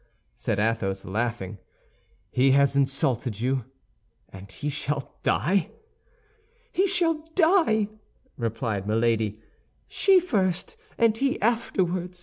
said Athos, laughing; "he has insulted you, and he shall die!" "He shall die!" replied Milady; "she first, and he afterward."